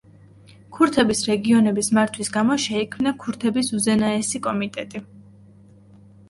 ქურთების რეგიონების მართვის გამო შეიქმნა ქურთების უზენაესი კომიტეტი.